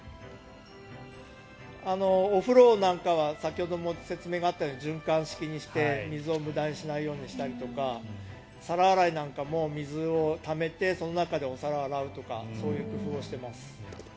お風呂なんかは先ほども説明があったように循環式にして水を無駄にしないようにしたりとか皿洗いなんかも水をためてその中でお皿を洗うとかそういう工夫をしています。